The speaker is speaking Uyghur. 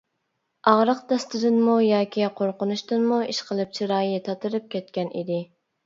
ئاغرىق دەستىدىنمۇ ياكى قورقۇنچتىنمۇ، ئىشقىلىپ چىرايى تاتىرىپ كەتكەن ئىدى.